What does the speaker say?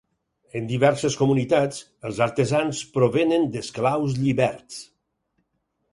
En diverses comunitats, els artesans provenen d'esclaus lliberts.